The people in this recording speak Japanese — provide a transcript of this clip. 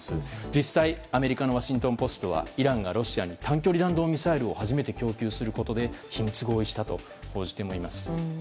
実際、アメリカのワシントン・ポストはイランがロシアに短距離弾道ミサイルを初めて供給することで秘密合意したと報じてもいます。